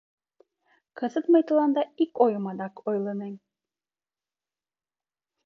Кызыт мый тыланда ик ойым адак ойлынем.